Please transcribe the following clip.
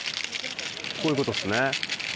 こういうことっすね。